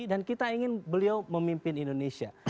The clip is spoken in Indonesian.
dan kita ingin beliau memimpin indonesia